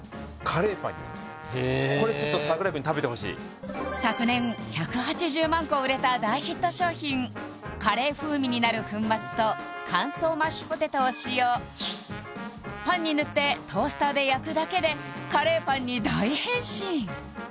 へえこれ櫻井くんに食べてほしい昨年１８０万個売れた大ヒット商品カレー風味になる粉末と乾燥マッシュポテトを使用パンに塗ってトースターで焼くだけでカレーパンに大変身